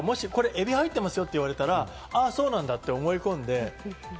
エビが入ってますよって言われたら、そうなんだって思い込んで。